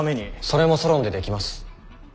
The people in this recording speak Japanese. それもソロンでできます。